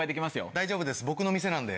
大丈夫です僕の店なんで。